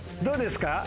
どうですか？